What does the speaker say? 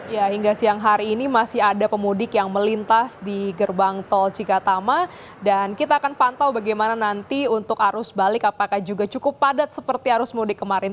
ya hingga siang hari ini masih ada pemudik yang melintas di gerbang tol cikatama dan kita akan pantau bagaimana nanti untuk arus balik apakah juga cukup padat seperti arus mudik kemarin